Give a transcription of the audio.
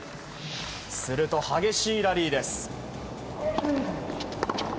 すると、激しいラリーです。